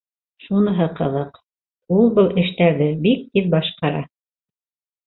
Шуныһы ҡыҙыҡ: ул был эштәрҙе бик тиҙ башҡара.